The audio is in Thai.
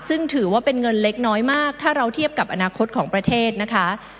ซึ่งถือว่าเป็นเงินเล็กน้อยมากถ้าเราเทียบกับอนาคตของประเทศนะคะ